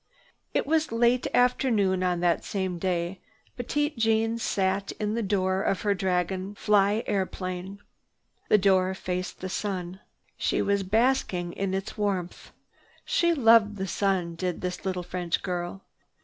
It was late afternoon of that same day. Petite Jeanne sat in the door of her dragon fly airplane. The door faced the sun. She was basking in its warmth. She loved the sun, did this little French girl.